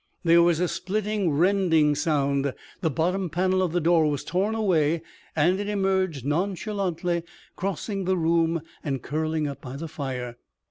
There was a splitting, rending sound. The bottom panel of the door was torn away and it emerged nonchalantly, crossing the room and curling up by the fire.